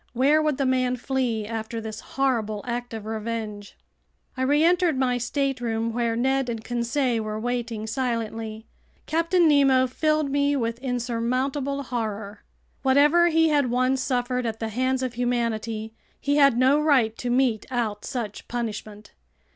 Where would the man flee after this horrible act of revenge? I reentered my stateroom, where Ned and Conseil were waiting silently. Captain Nemo filled me with insurmountable horror. Whatever he had once suffered at the hands of humanity, he had no right to mete out such punishment.